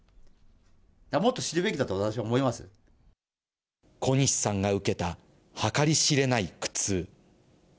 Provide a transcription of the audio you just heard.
もっと知るべきだと、小西さんが受けた計り知れない苦痛。